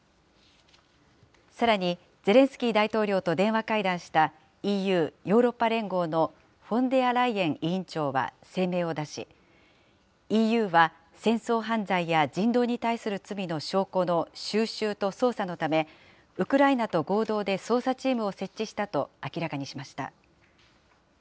さらに、ゼレンスキー大統領と電話会談した、ＥＵ・ヨーロッパ連合のフォンデアライエン委員長は声明を出し、ＥＵは戦争犯罪や人道に対する罪の証拠の収集と捜査のため、ウクライナと合同で捜査チームを設置したと明らかにしました。